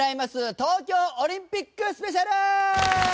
東京オリンピックスペシャル』！